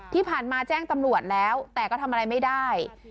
ที่ผ่านมาแจ้งตำรวจแล้วแต่ก็ทำอะไรไม่ได้